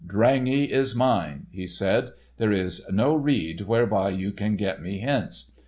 "Drangey is mine," he said. "There is no rede whereby you can get me hence.